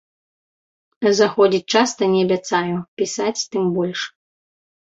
Заходзіць часта не абяцаю, пісаць, тым больш.